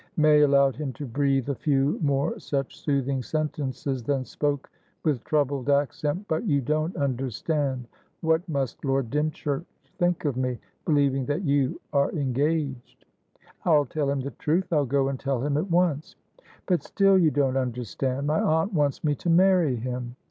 May allowed him to breathe a few more such soothing sentences, then spoke with troubled accent. "But you don't understand. What must Lord Dymchurch think of mebelieving that you are engaged?" "I'll tell him the truth. I'll go and tell him at once." "But still you don't understand. My aunt wants me to marry him."